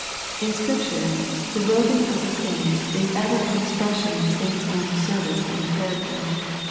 In Scripture the robing of the saint is ever an expression of the saint's own service and character.